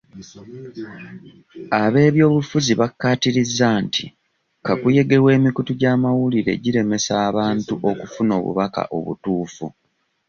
Ab'ebyobufuzi bakkaatiriza nti kakuyege w'emikutu gy'amawulire giremesa abantu okufuna obubaka obutuufu.